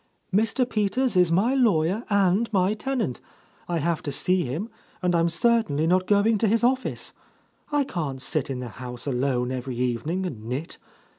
Mr. Peters is my ia, wye r and my tenant ; I have to see him, and Pm ^ffainly not gbing to his office. I can't sit in the house alpne every evening and knit.